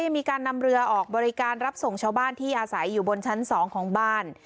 มีการนำเรือออกบริการรับส่งชาวบ้านที่อาศัยอยู่บนชั้น๒ของบ้าน